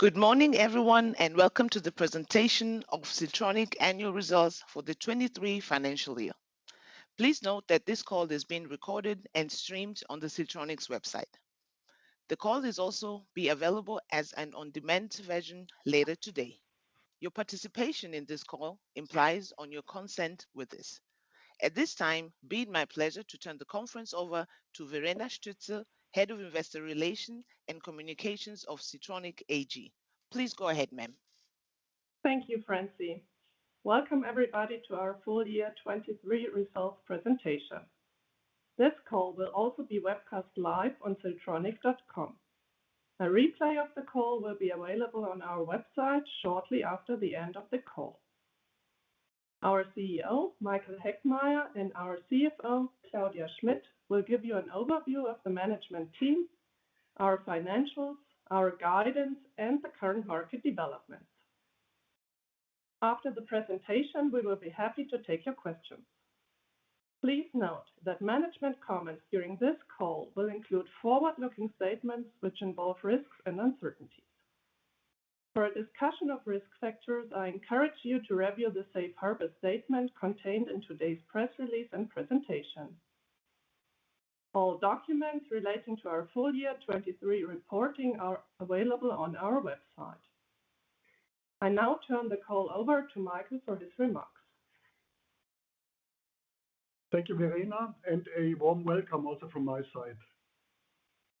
Good morning, everyone, and welcome to the presentation of Siltronic Annual Results for the 2023 Financial Year. Please note that this call is being recorded and streamed on the Siltronic's website. The call is also be available as an on-demand version later today. Your participation in this call implies on your consent with this. At this time, it's been my pleasure to turn the conference over to Verena Stütze, Head of Investor Relations and Communications of Siltronic AG. Please go ahead, ma'am. Thank you, Francine. Welcome, everybody, to our Full Year 2023 Results Presentation. This call will also be webcast live on siltronic.com. A replay of the call will be available on our website shortly after the end of the call. Our CEO, Michael Heckmeier, and our CFO, Claudia Schmitt, will give you an overview of the management team, our financials, our guidance, and the current market development. After the presentation, we will be happy to take your questions. Please note that management comments during this call will include forward-looking statements which involve risks and uncertainties. For a discussion of risk factors, I encourage you to review the safe harbor statement contained in today's press release and presentation. All documents relating to our full year 2023 reporting are available on our website. I now turn the call over to Michael for his remarks. Thank you, Verena, and a warm welcome also from my side.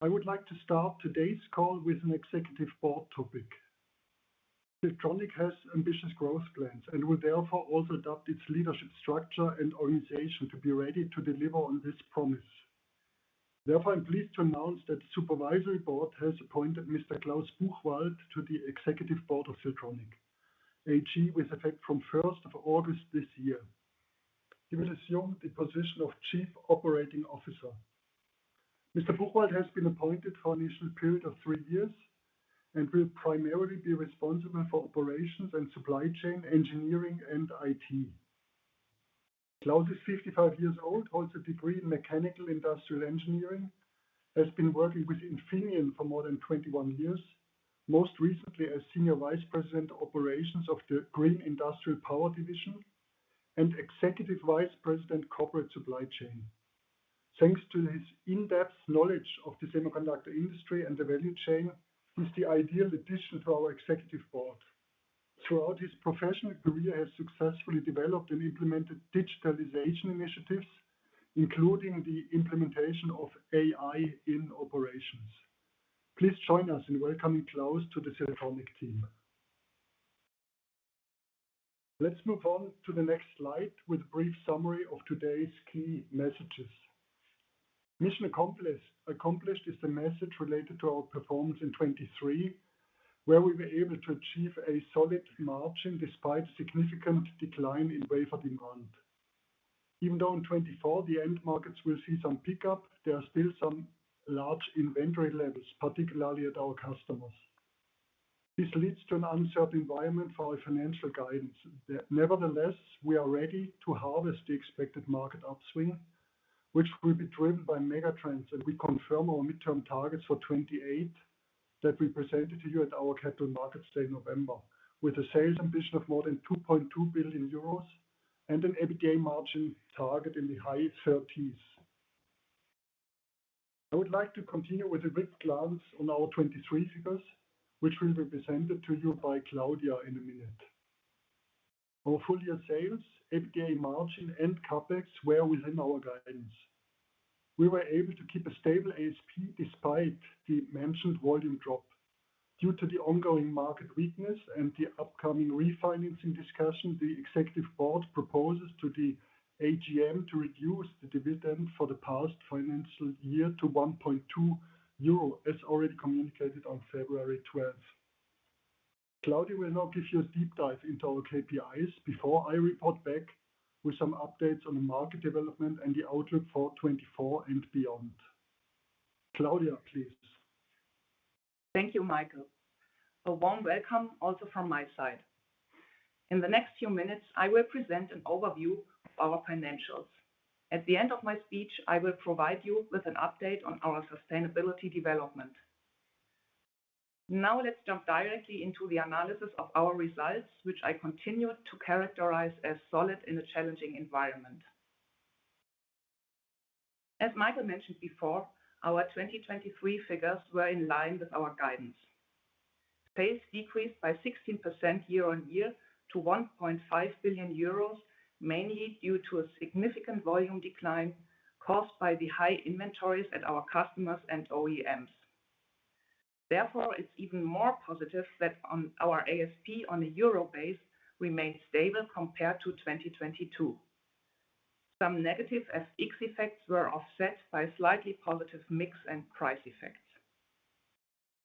I would like to start today's call with an executive board topic. Siltronic has ambitious growth plans and will therefore also adapt its leadership structure and organization to be ready to deliver on this promise. Therefore, I'm pleased to announce that Supervisory Board has appointed Mr. Klaus Buchwald to the Executive Board of Siltronic AG, with effect from first of August this year. He will assume the position of Chief Operating Officer. Mr. Buchwald has been appointed for an initial period of 3 years and will primarily be responsible for operations and supply chain, engineering and IT. Klaus is 55 years old, holds a degree in mechanical and industrial engineering, has been working with Infineon for more than 21 years, most recently as Senior Vice President, Operations of the Green Industrial Power division and Executive Vice President, corporate supply chain. Thanks to his in-depth knowledge of the semiconductor industry and the value chain, he's the ideal addition to our executive board. Throughout his professional career, he has successfully developed and implemented digitalization initiatives, including the implementation of AI in operations. Please join us in welcoming Klaus to the Siltronic team. Let's move on to the next slide with a brief summary of today's key messages. Mission accomplished is the message related to our performance in 2023, where we were able to achieve a solid margin despite significant decline in wafer demand. Even though in 2024, the end markets will see some pickup, there are still some large inventory levels, particularly at our customers. This leads to an uncertain environment for our financial guidance. Nevertheless, we are ready to harvest the expected market upswing, which will be driven by mega trends, and we confirm our midterm targets for 2028 that we presented to you at our Capital Markets Day in November, with a sales ambition of more than 2.2 billion euros and an EBITDA margin target in the high 30s%. I would like to continue with a quick glance on our 2023 figures, which will be presented to you by Claudia in a minute. Our full year sales, EBITDA margin, and CapEx were within our guidance. We were able to keep a stable ASP despite the mentioned volume drop. Due to the ongoing market weakness and the upcoming refinancing discussion, the executive board proposes to the AGM to reduce the dividend for the past financial year to 1.2 euro, as already communicated on February 12. Claudia will now give you a deep dive into our KPIs before I report back with some updates on the market development and the outlook for 2024 and beyond. Claudia, please. Thank you, Michael. A warm welcome also from my side. In the next few minutes, I will present an overview of our financials. At the end of my speech, I will provide you with an update on our sustainability development. Now, let's jump directly into the analysis of our results, which I continue to characterize as solid in a challenging environment. As Michael mentioned before, our 2023 figures were in line with our guidance. Sales decreased by 16% year-over-year to 1.5 billion euros, mainly due to a significant volume decline caused by the high inventories at our customers and OEMs. Therefore, it's even more positive that on our ASP on a euro base remained stable compared to 2022. Some negative FX effects were offset by slightly positive mix and price effects.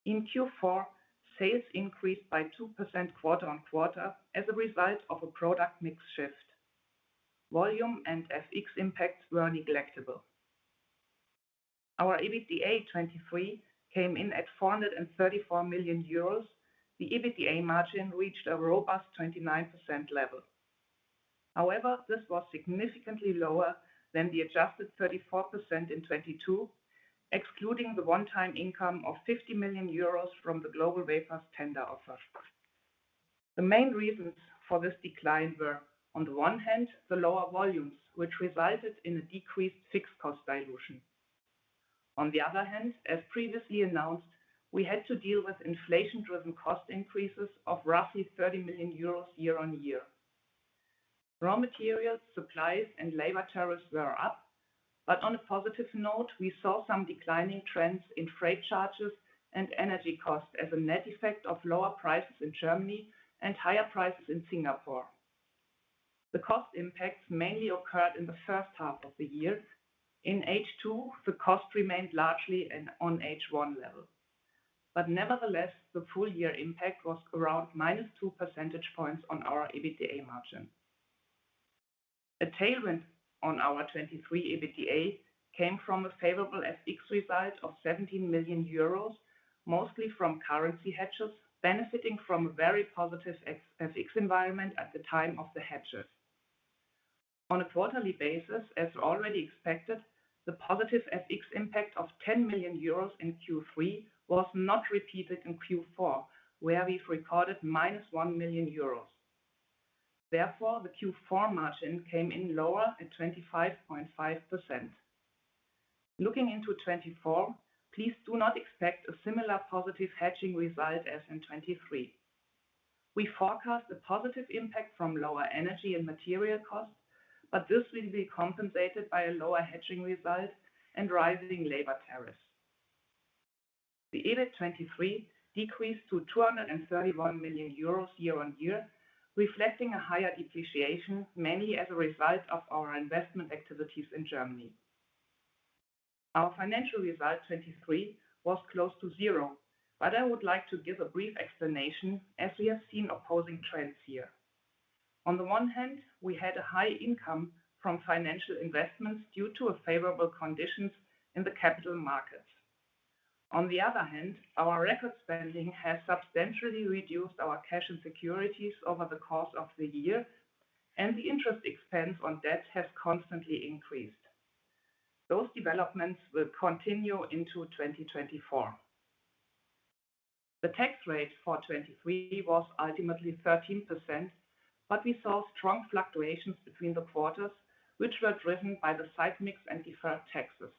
In Q4, sales increased by 2% quarter-on-quarter as a result of a product mix shift. Volume and FX impacts were negligible. Our EBITDA 2023 came in at 434 million euros. The EBITDA margin reached a robust 29% level.... However, this was significantly lower than the adjusted 34% in 2022, excluding the one-time income of 50 million euros from the GlobalWafers tender offer. The main reasons for this decline were, on the one hand, the lower volumes, which resulted in a decreased fixed cost dilution. On the other hand, as previously announced, we had to deal with inflation-driven cost increases of roughly 30 million euros year-on-year. Raw materials, supplies, and labor tariffs were up, but on a positive note, we saw some declining trends in freight charges and energy costs as a net effect of lower prices in Germany and higher prices in Singapore. The cost impacts mainly occurred in the first half of the year. In H2, the cost remained largely and on H1 level, but nevertheless, the full year impact was around -2 percentage points on our EBITDA margin. A tailwind on our 2023 EBITDA came from a favorable FX result of 17 million euros, mostly from currency hedges, benefiting from a very positive ex-- FX environment at the time of the hedges. On a quarterly basis, as already expected, the positive FX impact of 10 million euros in Q3 was not repeated in Q4, where we've recorded -1 million euros. Therefore, the Q4 margin came in lower at 25.5%. Looking into 2024, please do not expect a similar positive hedging result as in 2023. We forecast a positive impact from lower energy and material costs, but this will be compensated by a lower hedging result and rising labor tariffs. The EBIT 2023 decreased to 231 million euros year-on-year, reflecting a higher depreciation, mainly as a result of our investment activities in Germany. Our financial result, 2023, was close to zero, but I would like to give a brief explanation as we have seen opposing trends here. On the one hand, we had a high income from financial investments due to a favorable conditions in the capital markets. On the other hand, our record spending has substantially reduced our cash and securities over the course of the year, and the interest expense on debt has constantly increased. Those developments will continue into 2024. The tax rate for 2023 was ultimately 13%, but we saw strong fluctuations between the quarters, which were driven by the site mix and deferred taxes.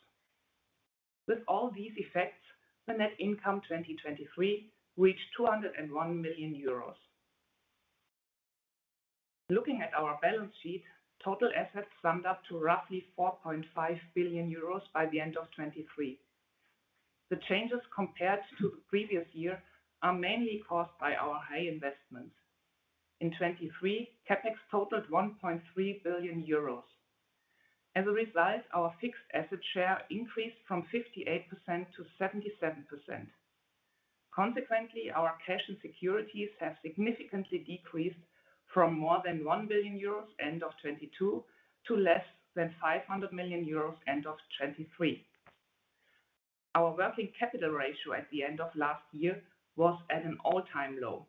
With all these effects, the net income 2023 reached 201 million euros. Looking at our balance sheet, total assets summed up to roughly 4.5 billion euros by the end of 2023. The changes compared to the previous year are mainly caused by our high investments. In 2023, CapEx totaled 1.3 billion euros. As a result, our fixed asset share increased from 58%-77%. Consequently, our cash and securities have significantly decreased from more than 1 billion euros end of 2022, to less than 500 million euros end of 2023. Our working capital ratio at the end of last year was at an all-time low.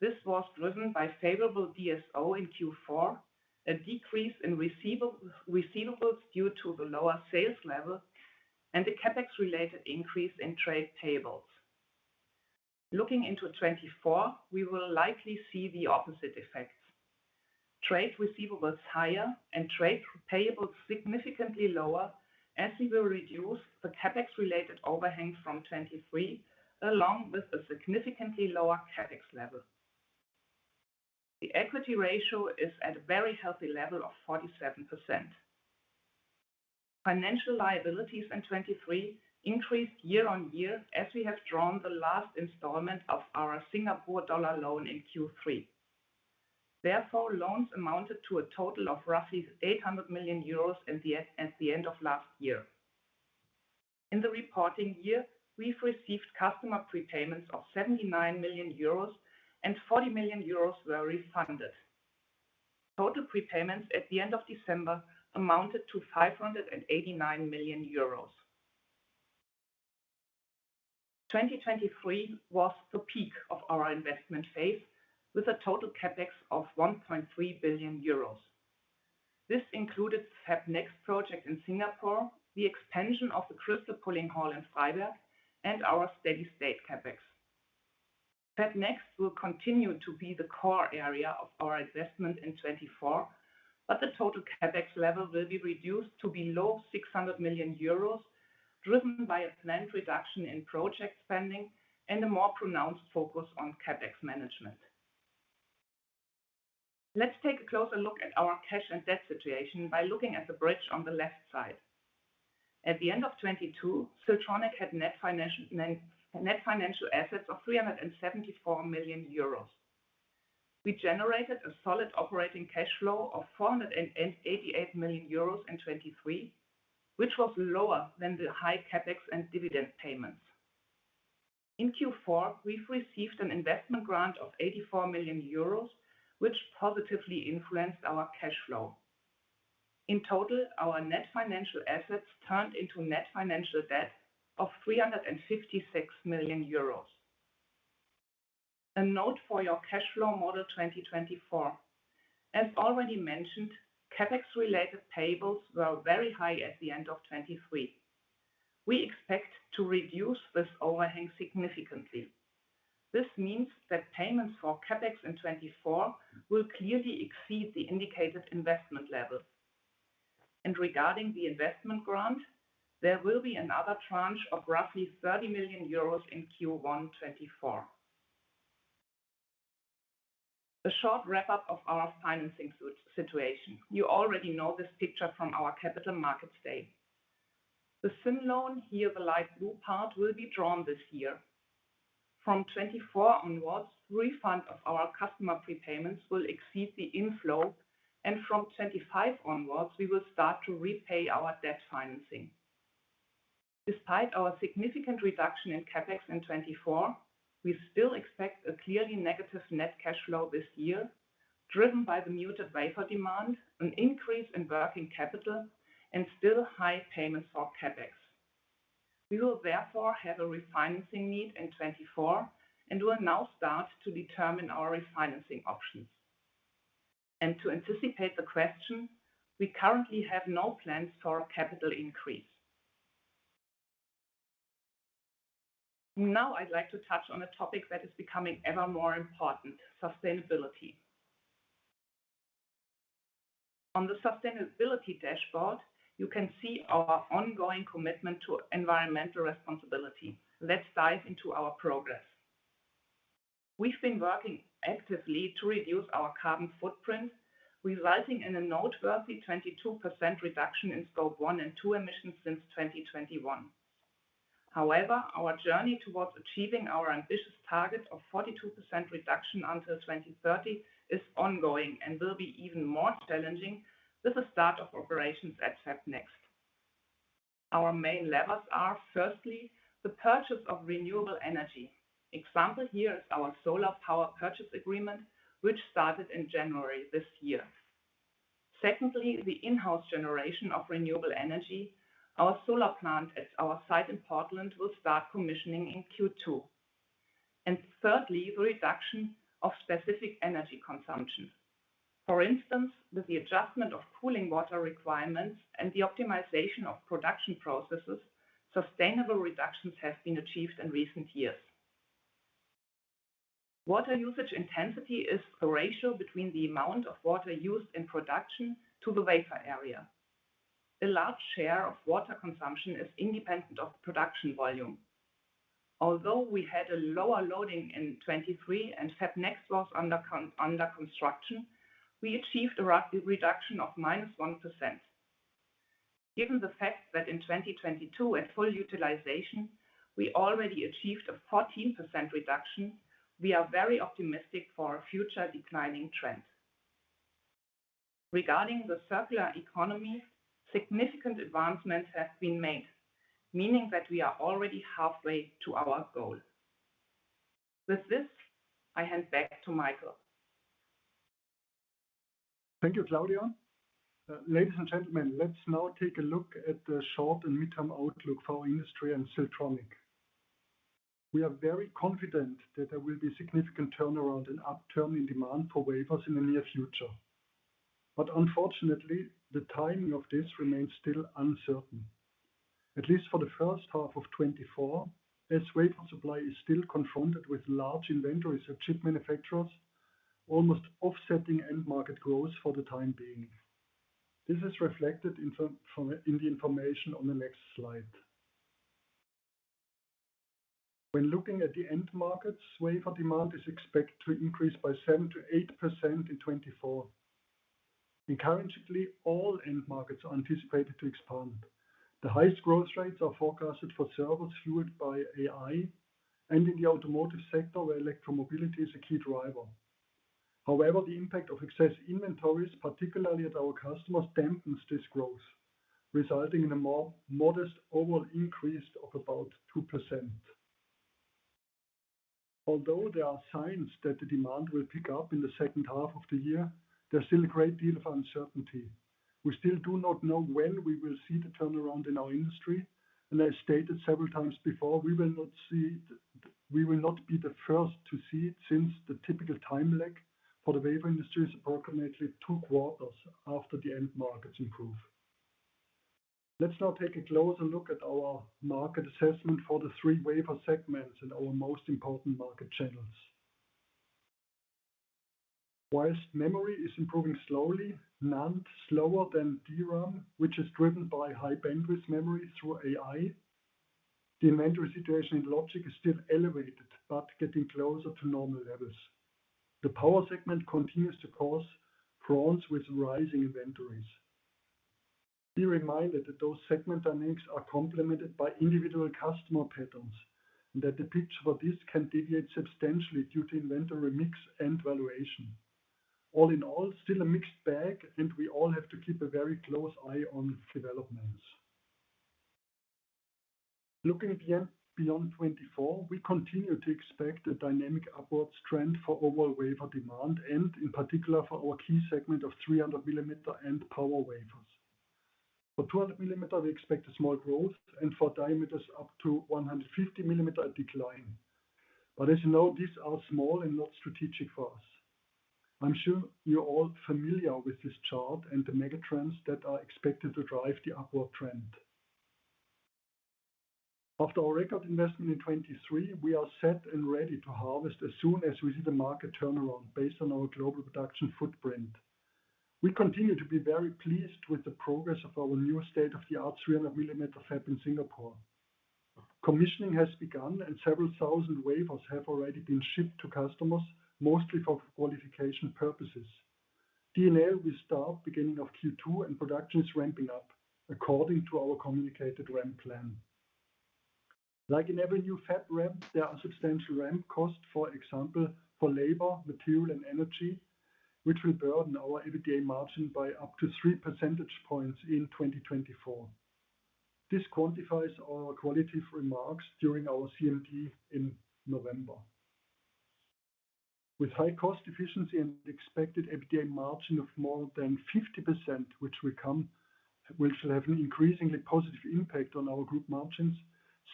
This was driven by favorable DSO in Q4, a decrease in receivable, receivables due to the lower sales level, and the CapEx-related increase in trade payables. Looking into 2024, we will likely see the opposite effects. Trade receivables higher and trade payables significantly lower, as we will reduce the CapEx-related overhang from 2023, along with a significantly lower CapEx level. The equity ratio is at a very healthy level of 47%. Financial liabilities in 2023 increased year-over-year, as we have drawn the last installment of our Singapore dollar loan in Q3. Therefore, loans amounted to a total of roughly 800 million euros in the end, at the end of last year. In the reporting year, we've received customer prepayments of 79 million euros and 40 million euros were refunded. Total prepayments at the end of December amounted to 589 million euros. 2023 was the peak of our investment phase, with a total CapEx of 1.3 billion euros. This included FabNext project in Singapore, the expansion of the crystal pulling hall in Freiberg, and our steady state CapEx. FabNext will continue to be the core area of our investment in 2024, but the total CapEx level will be reduced to below 600 million euros, driven by a planned reduction in project spending and a more pronounced focus on CapEx management. Let's take a closer look at our cash and debt situation by looking at the bridge on the left side. At the end of 2022, Siltronic had net financial, net, net financial assets of 374 million euros. We generated a solid operating cash flow of 488 million euros in 2023, which was lower than the high CapEx and dividend payments. In Q4, we've received an investment grant of 84 million euros, which positively influenced our cash flow. In total, our net financial assets turned into net financial debt of 356 million euros. A note for your cash flow model 2024. As already mentioned, CapEx-related payables were very high at the end of 2023. We expect to reduce this overhang significantly. This means that payments for CapEx in 2024 will clearly exceed the indicated investment level. Regarding the investment grant, there will be another tranche of roughly 30 million euros in Q1 2024. A short wrap-up of our financing situation. You already know this picture from our capital markets day. The Syn Loan, here the light blue part, will be drawn this year. From 2024 onwards, refund of our customer prepayments will exceed the inflow, and from 2025 onwards, we will start to repay our debt financing. Despite our significant reduction in CapEx in 2024, we still expect a clearly negative net cash flow this year, driven by the muted wafer demand, an increase in working capital, and still high payments for CapEx. We will therefore have a refinancing need in 2024 and will now start to determine our refinancing options. To anticipate the question, we currently have no plans for a capital increase. Now I'd like to touch on a topic that is becoming ever more important: sustainability. On the sustainability dashboard, you can see our ongoing commitment to environmental responsibility. Let's dive into our progress. We've been working actively to reduce our carbon footprint, resulting in a noteworthy 22% reduction in Scope 1 and 2 emissions since 2021. However, our journey towards achieving our ambitious target of 42% reduction until 2030 is ongoing and will be even more challenging with the start of operations at FabNext. Our main levers are, firstly, the purchase of renewable energy. Example here is our solar power purchase agreement, which started in January this year. Secondly, the in-house generation of renewable energy. Our solar plant at our site in Portland will start commissioning in Q2. And thirdly, the reduction of specific energy consumption. For instance, with the adjustment of cooling water requirements and the optimization of production processes, sustainable reductions have been achieved in recent years. Water usage intensity is the ratio between the amount of water used in production to the wafer area. A large share of water consumption is independent of the production volume. Although we had a lower loading in 2023 and FabNext was under construction, we achieved a rapid reduction of -1%. Given the fact that in 2022 at full utilization, we already achieved a 14% reduction, we are very optimistic for a future declining trend. Regarding the circular economy, significant advancements have been made, meaning that we are already halfway to our goal. With this, I hand back to Michael. Thank you, Claudia. Ladies and gentlemen, let's now take a look at the short- and midterm outlook for our industry and Siltronic. We are very confident that there will be significant turnaround and upturn in demand for wafers in the near future. But unfortunately, the timing of this remains still uncertain, at least for the first half of 2024, as wafer supply is still confronted with large inventories of chip manufacturers, almost offsetting end market growth for the time being. This is reflected in the information on the next slide. When looking at the end markets, wafer demand is expected to increase by 7%-8% in 2024. Encouragingly, all end markets are anticipated to expand. The highest growth rates are forecasted for servers fueled by AI and in the automotive sector, where electromobility is a key driver. However, the impact of excess inventories, particularly at our customers, dampens this growth, resulting in a more modest overall increase of about 2%. Although there are signs that the demand will pick up in the second half of the year, there's still a great deal of uncertainty. We still do not know when we will see the turnaround in our industry, and I stated several times before, we will not be the first to see it, since the typical time lag for the wafer industry is approximately two quarters after the end markets improve. Let's now take a closer look at our market assessment for the three wafer segments in our most important market channels. While memory is improving slowly, NAND slower than DRAM, which is driven by high-bandwidth memory through AI, the inventory situation in logic is still elevated, but getting closer to normal levels. The power segment continues to cause problems with rising inventories. Be reminded that those segment dynamics are complemented by individual customer patterns, and that the picture for this can deviate substantially due to inventory mix and valuation. All in all, still a mixed bag, and we all have to keep a very close eye on developments. Looking again beyond 2024, we continue to expect a dynamic upward trend for overall wafer demand and in particular, for our key segment of 300 millimeter and power wafers.... For 200 millimeter, we expect a small growth, and for diameters up to 150 millimeter, a decline. But as you know, these are small and not strategic for us. I'm sure you're all familiar with this chart and the megatrends that are expected to drive the upward trend. After our record investment in 2023, we are set and ready to harvest as soon as we see the market turnaround based on our global production footprint. We continue to be very pleased with the progress of our new state-of-the-art 300 millimeter fab in Singapore. Commissioning has begun, and several thousand wafers have already been shipped to customers, mostly for qualification purposes. D&A will start beginning of Q2, and production is ramping up according to our communicated ramp plan. Like in every new fab ramp, there are substantial ramp costs, for example, for labor, material, and energy, which will burden our EBITDA margin by up to 3 percentage points in 2024. This quantifies our qualitative remarks during our CMT in November. With high cost efficiency and expected EBITDA margin of more than 50%, which will have an increasingly positive impact on our group margins,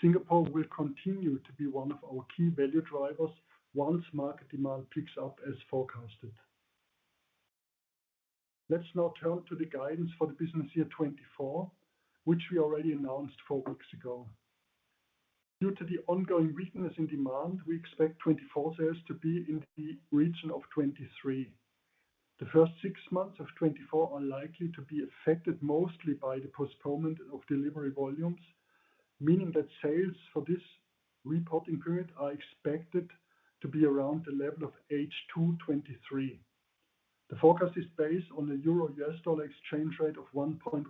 Singapore will continue to be one of our key value drivers once market demand picks up as forecasted. Let's now turn to the guidance for the business year 2024, which we already announced four weeks ago. Due to the ongoing weakness in demand, we expect 2024 sales to be in the region of 2023. The first six months of 2024 are likely to be affected mostly by the postponement of delivery volumes, meaning that sales for this reporting period are expected to be around the level of H2 2023. The forecast is based on the euro-U.S. dollar exchange rate of 1.10.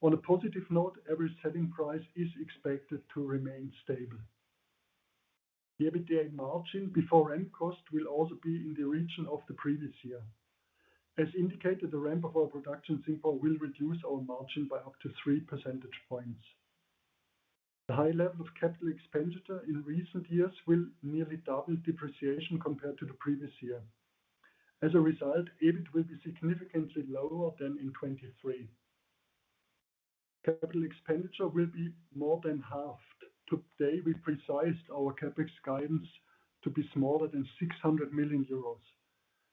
On a positive note, average selling price is expected to remain stable. The EBITDA margin before ramp cost will also be in the region of the previous year. As indicated, the ramp of our production in Singapore will reduce our margin by up to 3 percentage points. The high level of capital expenditure in recent years will nearly double depreciation compared to the previous year. As a result, EBIT will be significantly lower than in 2023. Capital expenditure will be more than halved. Today, we precise our CapEx guidance to be smaller than 600 million euros.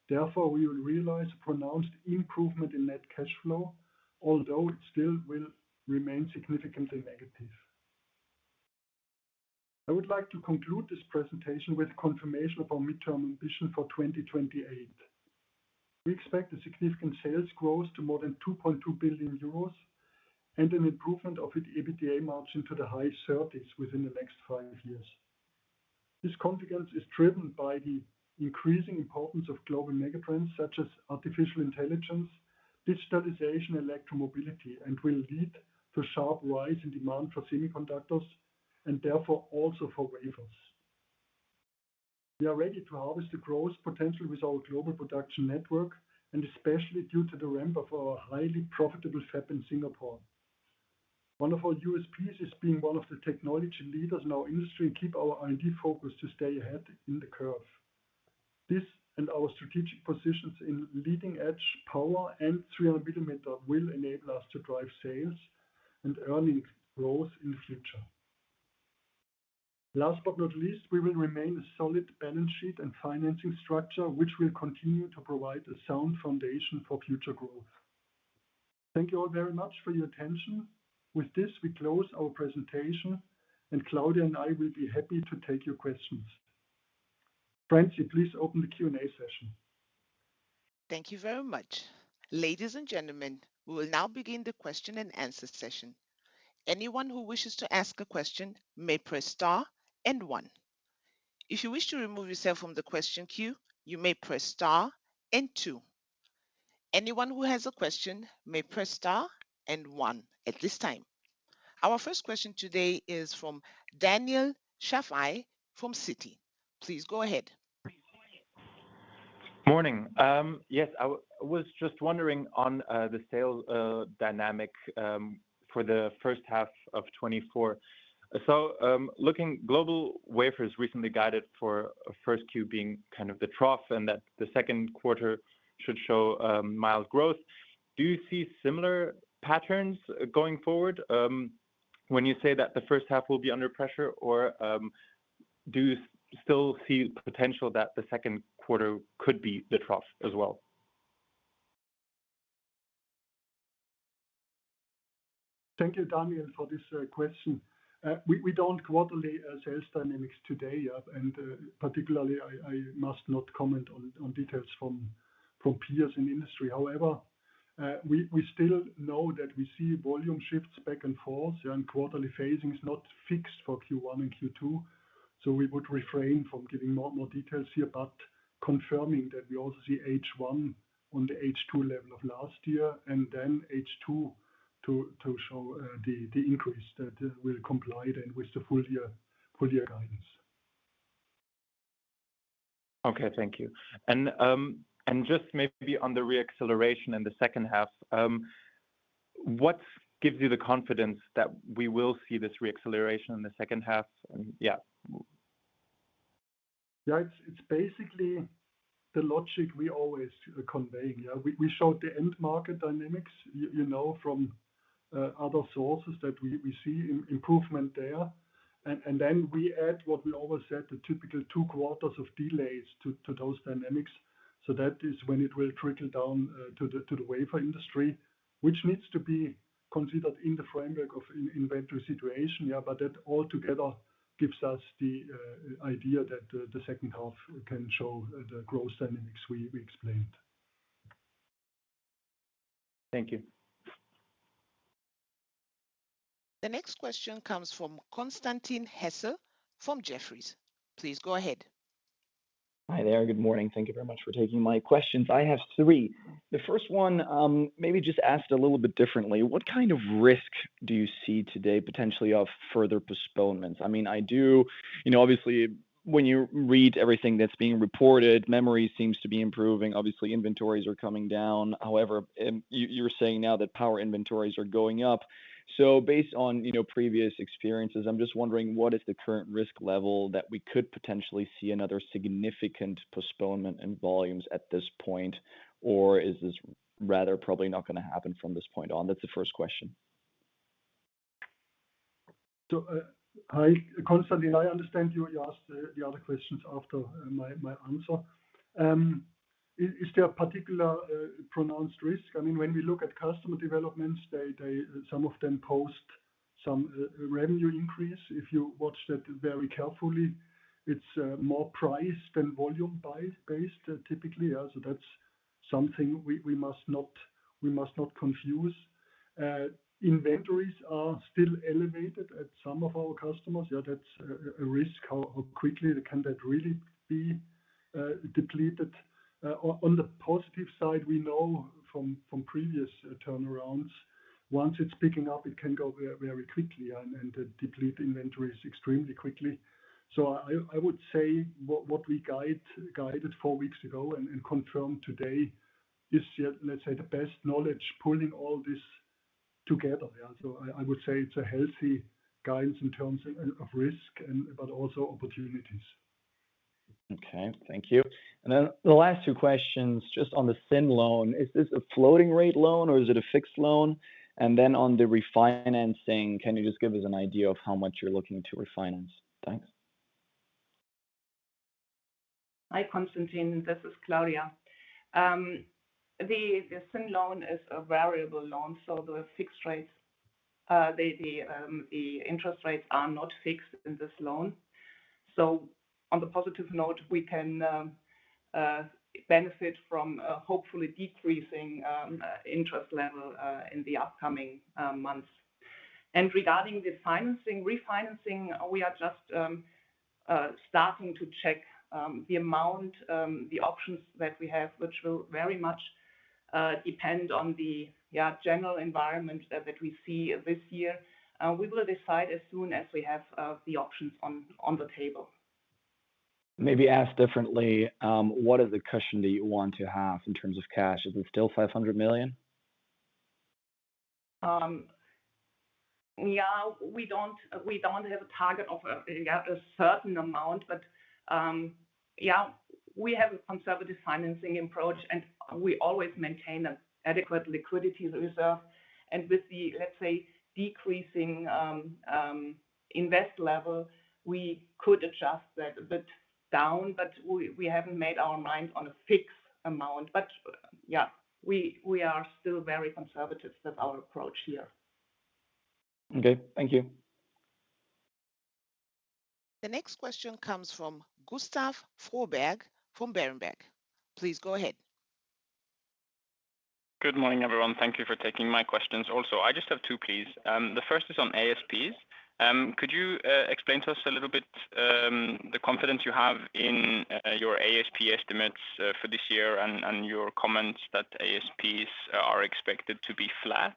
Therefore, we will realize a pronounced improvement in net cash flow, although it still will remain significantly negative. I would like to conclude this presentation with confirmation of our midterm ambition for 2028. We expect a significant sales growth to more than 2.2 billion euros and an improvement of the EBITDA margin to the high 30s% within the next five years. This confidence is driven by the increasing importance of global megatrends, such as artificial intelligence, digitalization, electromobility, and will lead to sharp rise in demand for semiconductors and therefore also for wafers. We are ready to harvest the growth potential with our global production network, and especially due to the ramp of our highly profitable fab in Singapore. One of our USPs is being one of the technology leaders in our industry and keep our R&D focused to stay ahead in the curve. This and our strategic positions in leading-edge power and 300 millimeter will enable us to drive sales and earnings growth in the future. Last but not least, we will remain a solid balance sheet and financing structure, which will continue to provide a sound foundation for future growth. Thank you all very much for your attention. With this, we close our presentation, and Claudia and I will be happy to take your questions. Francie, please open the Q&A session. Thank you very much. Ladies and gentlemen, we will now begin the question-and-answer session. Anyone who wishes to ask a question may press star and one. If you wish to remove yourself from the question queue, you may press star and two. Anyone who has a question may press star and one at this time. Our first question today is from Daniel Shafai from Citi. Please, go ahead. Morning. Yes, I was just wondering on the sales dynamic for the first half of 2024. So, looking GlobalWafers recently guided for a first Q being kind of the trough, and that the second quarter should show mild growth. Do you see similar patterns going forward when you say that the first half will be under pressure? Or do you still see potential that the second quarter could be the trough as well? Thank you, Daniel, for this question. We don't quarterly our sales dynamics today, and particularly, I must not comment on details from peers in the industry. However, we still know that we see volume shifts back and forth, and quarterly phasing is not fixed for Q1 and Q2, so we would refrain from giving more details here. But confirming that we also see H1 on the H2 level of last year, and then H2 to show the increase that will comply then with the full year guidance. Okay. Thank you. And just maybe on the re-acceleration in the second half, what gives you the confidence that we will see this re-acceleration in the second half? And, yeah, w- Yeah, it's basically the logic we always convey, yeah? We showed the end market dynamics, you know, from other sources that we see improvement there. And then we add what we always said, the typical two quarters of delays to those dynamics. So that is when it will trickle down to the wafer industry, which needs to be considered in the framework of inventory situation. Yeah, but that altogether gives us the idea that the second half can show the growth dynamics we explained. Thank you. The next question comes from Constantin Hesse from Jefferies. Please go ahead. Hi there. Good morning. Thank you very much for taking my questions. I have three. The first one, maybe just asked a little bit differently: What kind of risk do you see today, potentially, of further postponements? I mean, you know, obviously, when you read everything that's being reported, memory seems to be improving. Obviously, inventories are coming down. However, you, you're saying now that power inventories are going up. So based on, you know, previous experiences, I'm just wondering, what is the current risk level that we could potentially see another significant postponement in volumes at this point? Or is this rather probably not gonna happen from this point on? That's the first question. So, hi, Constantin. I understand you. You ask the other questions after my answer. Is there a particular pronounced risk? I mean, when we look at customer developments, they some of them post some revenue increase. If you watch that very carefully, it's more price than volume buy-based, typically. So that's something we must not confuse. Inventories are still elevated at some of our customers. Yeah, that's a risk. How quickly can that really be depleted? On the positive side, we know from previous turnarounds, once it's picking up, it can go very, very quickly and deplete inventories extremely quickly. So I would say, what we guided four weeks ago and confirmed today is, let's say, the best knowledge, pulling all this together. Yeah, so I would say it's a healthy guidance in terms of risk and, but also opportunities. Okay, thank you. And then the last two questions, just on the syndicated loan, is this a floating rate loan or is it a fixed loan? And then on the refinancing, can you just give us an idea of how much you're looking to refinance? Thanks. Hi, Constantin. This is Claudia. The syn loan is a variable loan, so the fixed rates, the interest rates are not fixed in this loan. So on the positive note, we can benefit from, hopefully decreasing interest level in the upcoming months. And regarding the financing, refinancing, we are just starting to check the amount, the options that we have, which will very much depend on the, yeah, general environment that we see this year. We will decide as soon as we have the options on the table. Maybe asked differently, what is the cushion that you want to have in terms of cash? Is it still 500 million? Yeah, we don't have a target of a certain amount. But yeah, we have a conservative financing approach, and we always maintain an adequate liquidity reserve. And with the, let's say, decreasing invest level, we could adjust that a bit down, but we haven't made our mind on a fixed amount. But yeah, we are still very conservative with our approach here. Okay, thank you. The next question comes from Gustav Froberg from Berenberg. Please go ahead. Good morning, everyone. Thank you for taking my questions also. I just have two, please. The first is on ASPs. Could you explain to us a little bit the confidence you have in your ASP estimates for this year, and your comments that ASPs are expected to be flat?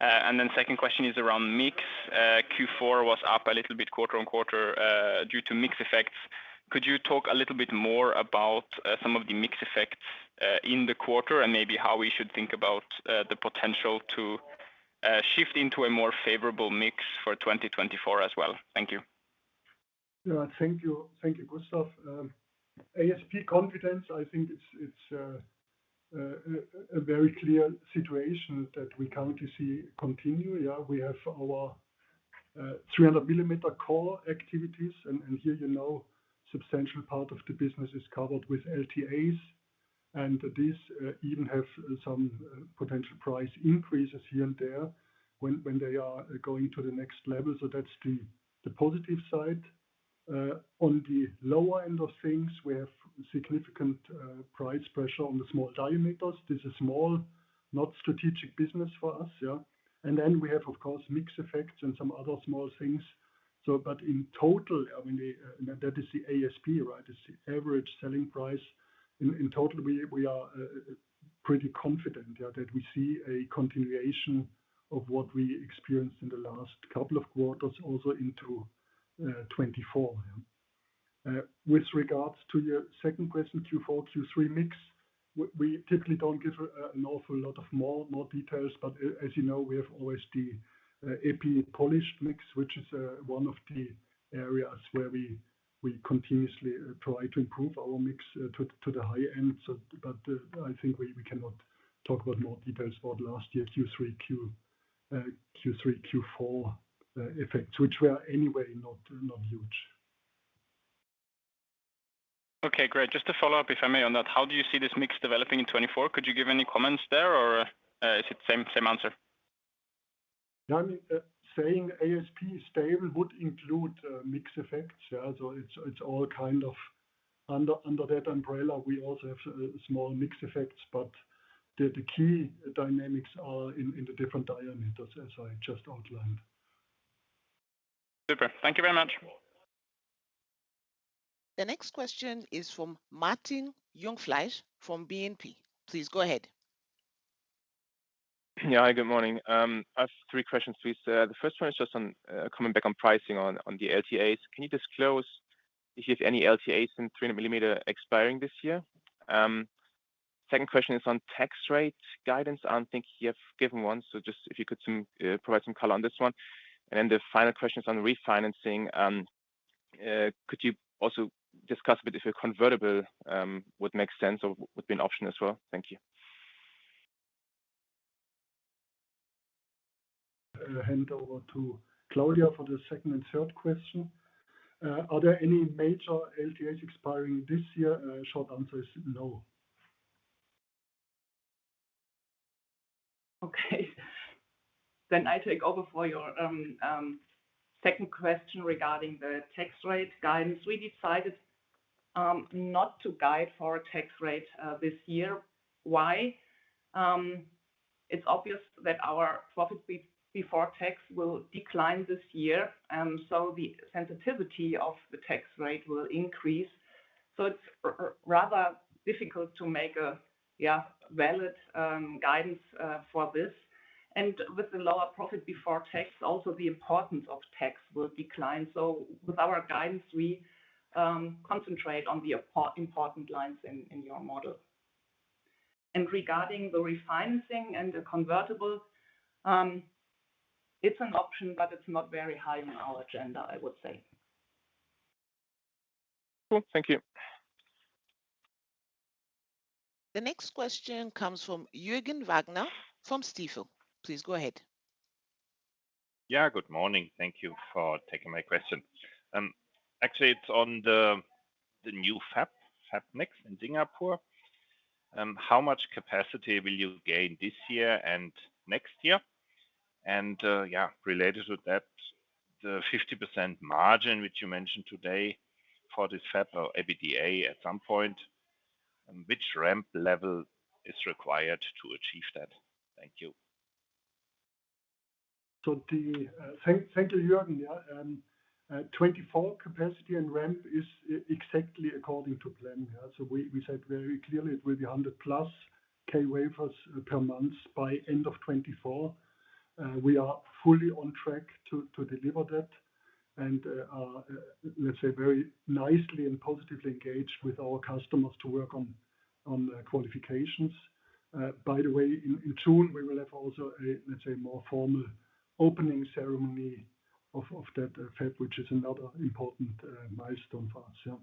And then second question is around mix. Q4 was up a little bit quarter-over-quarter due to mix effects. Could you talk a little bit more about some of the mix effects in the quarter? And maybe how we should think about the potential to shift into a more favorable mix for 2024 as well. Thank you. Yeah, thank you. Thank you, Gustav. ASP confidence, I think it's a very clear situation that we currently see continue. Yeah, we have our 300 millimeter core activities, and here, you know, substantial part of the business is covered with LTAs. And this even have some potential price increases here and there when they are going to the next level. So that's the positive side. On the lower end of things, we have significant price pressure on the small diameters. This is small, not strategic business for us, yeah? And then we have, of course, mix effects and some other small things. So but in total, I mean, that is the ASP, right? It's the average selling price. In total, we are pretty confident, yeah, that we see a continuation of what we experienced in the last couple of quarters also into 2024. With regards to your second question, Q4, Q3 mix. We typically don't give an awful lot of more details, but as you know, we have always the epi polished mix, which is one of the areas where we continuously try to improve our mix to the higher end. But, I think we cannot talk about more details about last year, Q3, Q4 effects, which were anyway not huge. Okay, great. Just to follow up, if I may, on that, how do you see this mix developing in 2024? Could you give any comments there, or, is it same, same answer? No, I mean, saying ASP stable would include mix effects. Yeah, so it's all kind of under that umbrella. We also have small mix effects, but the key dynamics are in the different diameters, as I just outlined. Super. Thank you very much. The next question is from Martin Jungfleisch from BNP. Please, go ahead. Yeah, hi, good morning. I have 3 questions, please. The first one is just on coming back on pricing on the LTAs. Can you disclose if you have any LTAs in 300 millimeter expiring this year? Second question is on tax rate guidance. I don't think you have given one, so just if you could provide some color on this one. And then the final question is on refinancing. Could you also discuss a bit if a convertible would make sense or would be an option as well? Thank you. Hand over to Claudia for the second and third question. Are there any major LTAs expiring this year? Short answer is no. Okay. Then I take over for your second question regarding the tax rate guidance. We decided not to guide for a tax rate this year. Why? It's obvious that our profit before tax will decline this year, and so the sensitivity of the tax rate will increase. So it's rather difficult to make a valid guidance for this. And with the lower profit before tax, also the importance of tax will decline. So with our guidance, we concentrate on the important lines in your model. And regarding the refinancing and the convertible, it's an option, but it's not very high on our agenda, I would say. Cool. Thank you. The next question comes from Jürgen Wagner from Stifel. Please go ahead. Yeah, good morning. Thank you for taking my question. Actually, it's on the new FabNext in Singapore. How much capacity will you gain this year and next year? And yeah, related to that, the 50% margin, which you mentioned today for the FabNext or EBITDA at some point, which ramp level is required to achieve that? Thank you. Thank you, Jürgen. Yeah, 2024 capacity and ramp is exactly according to plan. Yeah, so we said very clearly it will be 100+ k wafers per month by end of 2024. We are fully on track to deliver that and, let's say, very nicely and positively engaged with our customers to work on the qualifications. By the way, in June, we will have also a, let's say, more formal opening ceremony of that fab, which is another important milestone for us, yeah.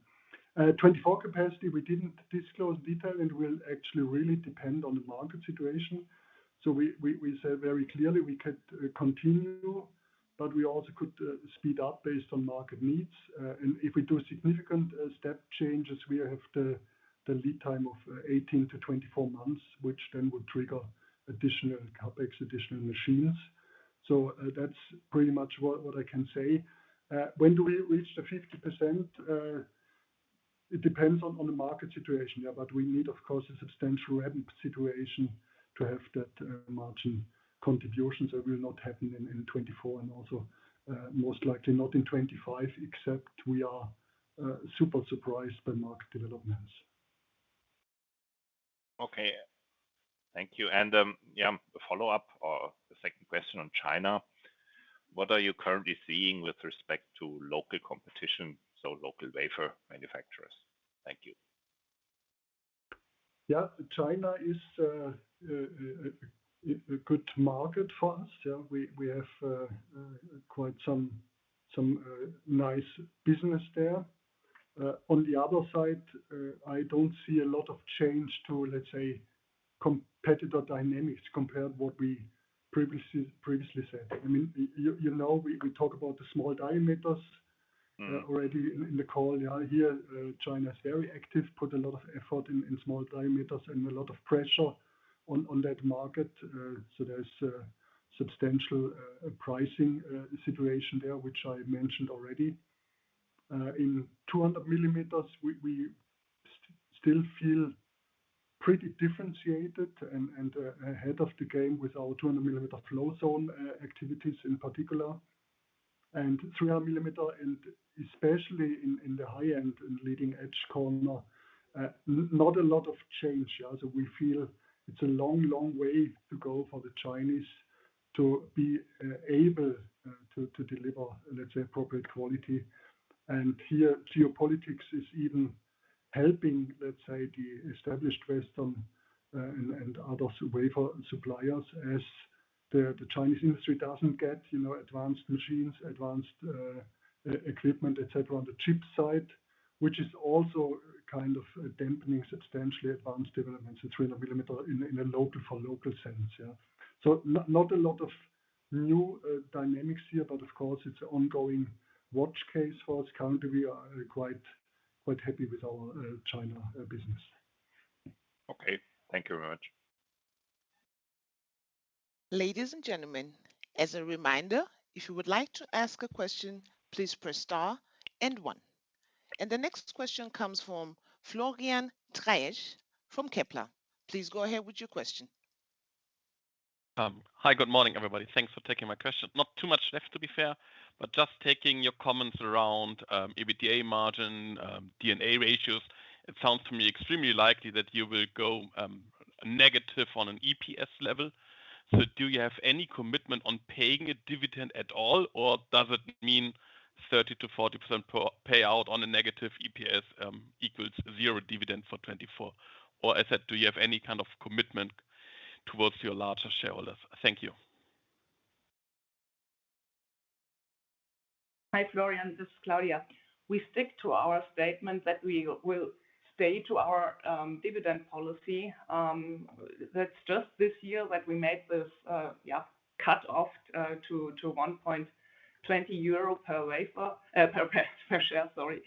2024 capacity, we didn't disclose detail, and will actually really depend on the market situation. So we said very clearly we could continue, but we also could speed up based on market needs. And if we do a significant step changes, we have the lead time of 18-24 months, which then would trigger additional CapEx, additional machines. So, that's pretty much what I can say. When do we reach the 50%? It depends on the market situation, yeah, but we need, of course, a substantial ramp situation to have that margin contribution. That will not happen in 2024 and also most likely not in 2025, except we are super surprised by market developments. Okay. Thank you. And, yeah, a follow-up or the second question on China. What are you currently seeing with respect to local competition, so local wafer manufacturers? Thank you. Yeah. China is a good market for us. Yeah, we have quite some nice business there. On the other side, I don't see a lot of change to, let's say, competitor dynamics compared what we previously said. I mean, you know, we talk about the small diameters already in the call. Yeah, here, China is very active, put a lot of effort in small diameters and a lot of pressure on that market. So there's a substantial pricing situation there, which I mentioned already. In 200 millimeters, we still feel pretty differentiated and ahead of the game with our 200 millimeter Float Zone activities in particular. And 300 millimeter, and especially in the high end and leading edge corner, not a lot of change. So we feel it's a long, long way to go for the Chinese to be able to deliver, let's say, appropriate quality. Here, geopolitics is even helping, let's say, the established Western and other wafer suppliers, as the Chinese industry doesn't get, you know, advanced machines, advanced equipment, et cetera, on the chip side, which is also kind of dampening substantially advanced developments in 300 millimeter in a local, for local sense. Yeah. So not a lot of new dynamics here, but of course, it's an ongoing watch case for us. Currently, we are quite happy with our China business. Okay, thank you very much. Ladies and gentlemen, as a reminder, if you would like to ask a question, please press star and one. The next question comes from Florian Treisch from Kepler. Please go ahead with your question. Hi. Good morning, everybody. Thanks for taking my question. Not too much left, to be fair, but just taking your comments around EBITDA margin, DSO ratios, it sounds to me extremely likely that you will go negative on an EPS level. So do you have any commitment on paying a dividend at all, or does it mean 30%-40% payout on a negative EPS equals zero dividend for 2024? Or I said, do you have any kind of commitment towards your larger shareholders? Thank you. Hi, Florian, this is Claudia. We stick to our statement that we will stay to our dividend policy. That's just this year that we made this cut off to 1.20 euro per wafer, per share, sorry.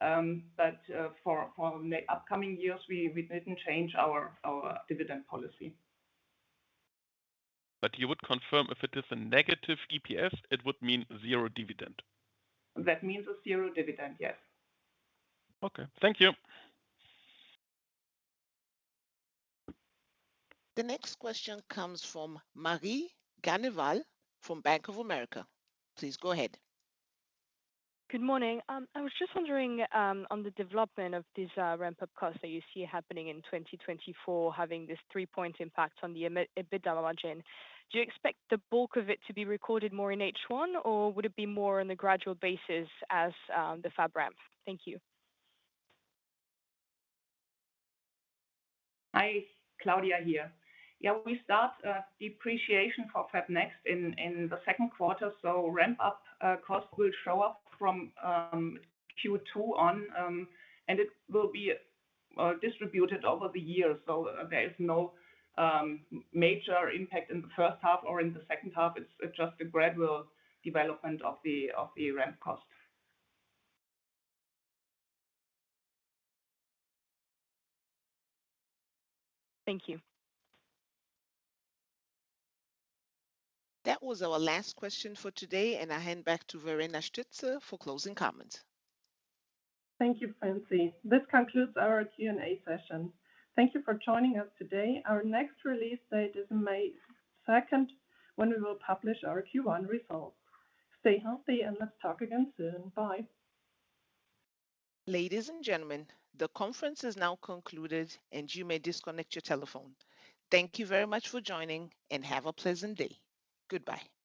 But for the upcoming years, we didn't change our dividend policy. You would confirm if it is a negative EPS, it would mean zero dividend? That means a zero dividend, yes. Okay. Thank you. The next question comes from Marie Ganier from Bank of America. Please go ahead. Good morning. I was just wondering, on the development of these, ramp-up costs that you see happening in 2024, having this three-point impact on the EBITDA margin. Do you expect the bulk of it to be recorded more in H1, or would it be more on a gradual basis as, the fab ramp? Thank you. Hi, Claudia here. Yeah, we start depreciation for FabNext in the second quarter, so ramp up cost will show up from Q2 on, and it will be distributed over the years. So there is no major impact in the first half or in the second half. It's just a gradual development of the ramp cost. Thank you. That was our last question for today, and I hand back to Verena Stütze for closing comments. Thank you, Francine. This concludes our Q&A session. Thank you for joining us today. Our next release date is 2nd May, when we will publish our Q1 results. Stay healthy and let's talk again soon. Bye. Ladies and gentlemen, the conference is now concluded, and you may disconnect your telephone. Thank you very much for joining, and have a pleasant day. Goodbye.